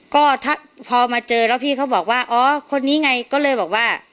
ก็ถ้าพอมาเจอแล้วพี่เขาบอกว่าอ๋อคนนี้ไงก็เลยบอกว่า